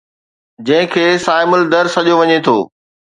جنهن کي صائم الدر سڏيو وڃي ٿو